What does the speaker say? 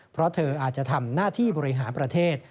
เพราะเธออาจจะทำหน้าที่บริหารประเทศ